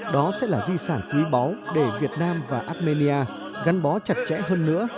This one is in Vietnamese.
đó sẽ là di sản quý báu để việt nam và armenia gắn bó chặt chẽ hơn nữa